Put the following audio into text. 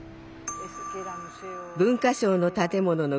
文化省の建物の後ろ